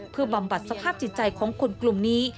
เพื่อบำบัดสภาพจิตใจของคนกลุ่มนี้